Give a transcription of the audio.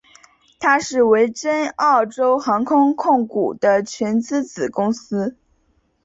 它是维珍澳洲航空控股的全资子公司。